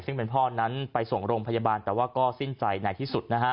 ซึ่งเป็นพ่อนั้นไปส่งโรงพยาบาลแต่ว่าก็สิ้นใจในที่สุดนะฮะ